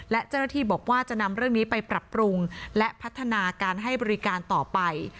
และเจ้าหน้าที่บอกว่าจะนำเรื่องนี้ไปปรับปรุงและพัฒนาการให้บริการต่อไป